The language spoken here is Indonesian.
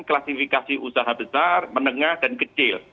klasifikasi usaha besar menengah dan kecil